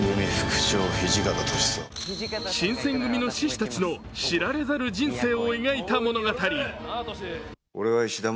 新選組の志士たちの知られざる人生を描いた物語。